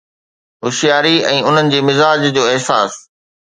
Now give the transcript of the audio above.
هوشياري ۽ انهن جي مزاح جو احساس